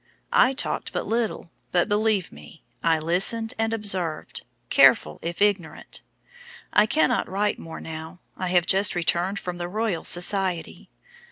I talked but little, but, believe me, I listened and observed, careful if ignorant. I cannot write more now. I have just returned from the Royal Society.